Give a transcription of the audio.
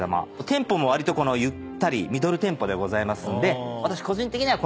テンポもわりとゆったりミドルテンポでございますんで。